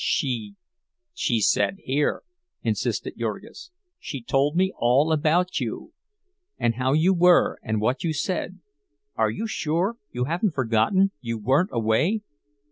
She—" "She said here," insisted Jurgis. "She told me all about you, and how you were, and what you said. Are you sure? You haven't forgotten? You weren't away?"